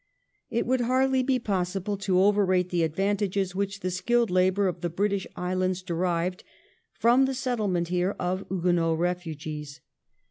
It would hardly be possible to overrate the advantages which the skilled labour of the British Islands derived from the settlement here of Huguenot refugees.